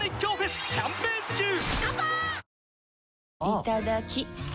いただきっ！